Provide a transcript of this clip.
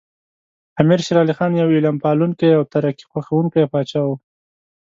امیر شیر علی خان یو علم پالونکی او ترقي خوښوونکی پاچا و.